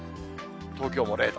東京も０度。